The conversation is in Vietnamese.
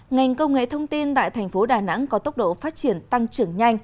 ngành công nghệ thông tin tại thành phố đà nẵng có tốc độ phát triển tăng trưởng nhanh